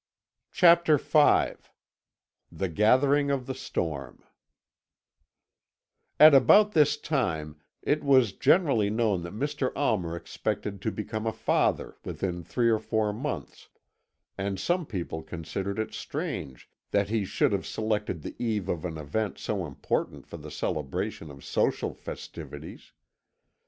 CHAPTER V THE GATHERING OF THE STORM "At about this time it was generally known that Mr. Almer expected to become a father within three or four months, and some people considered it strange that he should have selected the eve of an event so important for the celebration of social festivities.